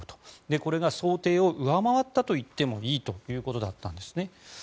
これが想定を上回ったといってもいいということだったんですね。